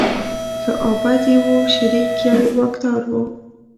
ښه او بد یې وو شریک یو یې واکدار و.